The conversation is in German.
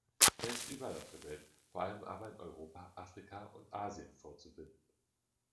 Er ist überall auf der Welt, vor allem aber in Europa, Afrika und Asien vorzufinden.